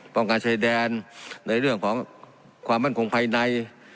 การชายแดนในเรื่องของความมั่นคงภายใน